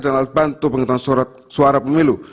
dan alat bantu penghitungan suara pemilu